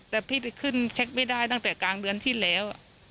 แต่พี่ไปขึ้นเช็คไม่ได้ตั้งแต่กลางเดือนที่แล้ว